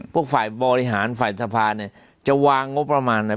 พวกฝ่ายบริหารฝ่ายสภาจะวางงบประมาณไหน